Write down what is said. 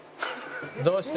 「どうした？」